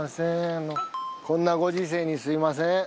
あのこんなご時世にすみません。